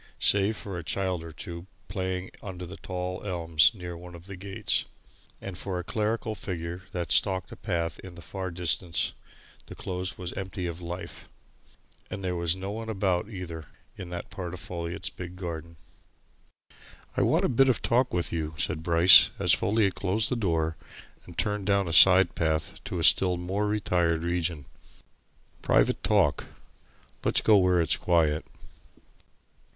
Save for a child or two, playing under the tall elms near one of the gates, and for a clerical figure that stalked a path in the far distance, the Close was empty of life. And there was no one about, either, in that part of Folliot's big garden. "I want a bit of talk with you," said Bryce as Folliot closed the door and turned down a side path to a still more retired region. "Private talk. Let's go where it's quiet."